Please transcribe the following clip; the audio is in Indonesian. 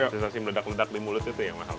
sensasi meledak ledak di mulut itu yang mahal